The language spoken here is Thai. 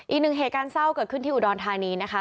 อีกหนึ่งเหตุการณ์เศร้าเกิดขึ้นที่อุดรธานีนะคะ